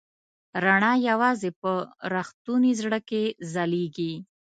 رڼا یواځې په رښتوني زړه کې ځلېږي.